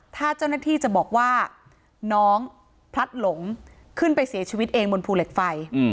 ถ้าเจ้าหน้าที่จะบอกว่าน้องพลัดหลงขึ้นไปเสียชีวิตเองบนภูเหล็กไฟ